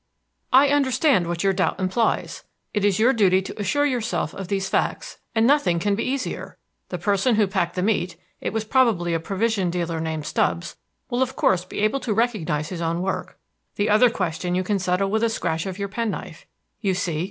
"I understand what your doubt implies. It is your duty to assure yourself of these facts, and nothing can be easier. The person who packed the meat it was probably a provision dealer named Stubbs will of course be able to recognize his own work. The other question you can settle with a scratch of your penknife. You see.